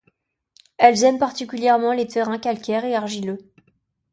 Elles aiment particulièrement les terrains calcaires et argileux.